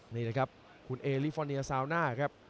นี่นะครับคุณเอลิฟอร์เนียซาวน่าครับ